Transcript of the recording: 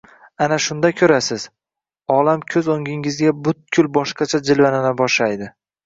Ana shunda ko‘rasiz — olam ko‘z o‘ngingizda butkul boshqacha jilvalana boshlaydi...